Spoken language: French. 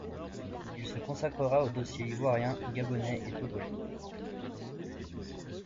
Il se consacrera aux dossiers ivoirien, gabonais et togolais.